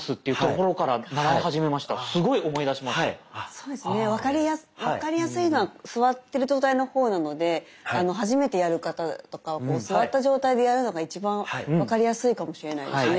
そうですね分かりやすいのは座ってる状態の方なので初めてやる方とかは座った状態でやるのが一番分かりやすいかもしれないですね。